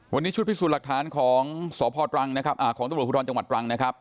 วันนี้ชุดพิสูจน์หลักฐานของสพตรังนะครับของตำรวจภูทรจังหวัดตรังนะครับ